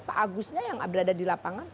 pak agusnya yang berada di lapangan